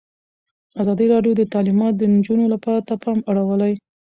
ازادي راډیو د تعلیمات د نجونو لپاره ته پام اړولی.